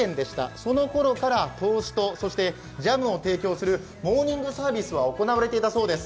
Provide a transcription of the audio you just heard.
その頃からトースト、ジャムを提供するモーニングサービスは行われていたそうです。